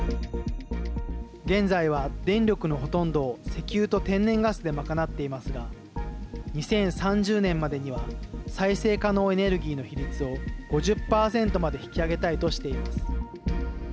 現在は、電力のほとんどを石油と天然ガスでまかなっていますが２０３０年までには再生可能エネルギーの比率を５０％まで引き上げたいとしています。